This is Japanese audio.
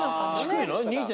低いの？